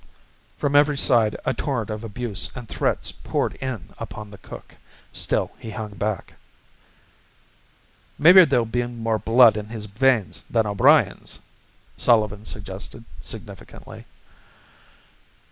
From every side a torrent of abuse and threats poured in upon the cook. Still he hung back. "Maybe there'll be more blood in his veins than O'Brien's," Sullivan suggested significantly.